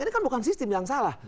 ini kan bukan sistem yang salah